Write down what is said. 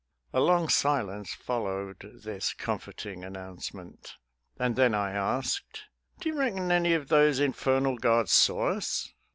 A long silence followed this comforting announcement, and then I asked, " Do you reckon any of those infernal guards saw us?"